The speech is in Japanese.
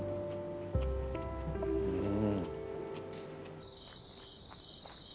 うん。